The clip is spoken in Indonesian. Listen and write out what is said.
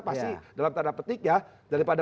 pasti dalam tanda petik ya daripada